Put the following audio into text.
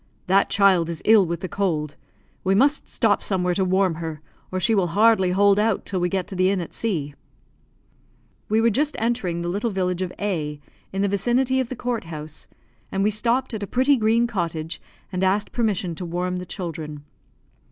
"That child is ill with the cold; we must stop somewhere to warm her, or she will hardly hold out till we get to the inn at C ." We were just entering the little village of A , in the vicinity of the court house, and we stopped at a pretty green cottage, and asked permission to warm the children.